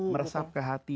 meresap ke hati